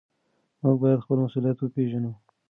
موږ بايد خپل مسؤليت وپېژنو.